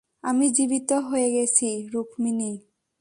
আমি জীবিত হয়ে গেছি, রুকমিনি।